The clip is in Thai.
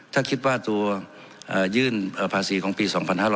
ถ้าคิดว่าตัวยื่นภาษีของปี๒๕๖๐